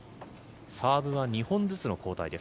サーブは２本ずつの交代です。